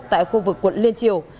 tại khu vực quận liên triều